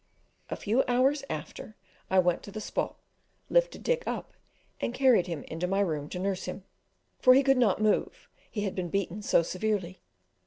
A few hours after I went to the spot, lifted Dick up, and carried him into my room to nurse him; for he could not move, he had been beaten so severely.